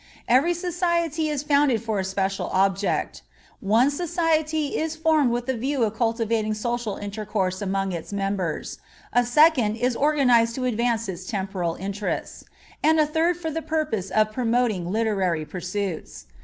Every society is founded for a special object. One society is formed with the view of cultivating social intercourse among its members; a second is organized to advance their temporal interests; and a third for the purpose of promoting literary pursuits.